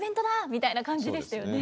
みたいな感じでしたよね。